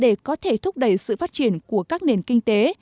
thứ hai là để có thể thúc đẩy sự phát triển của các nền kinh tế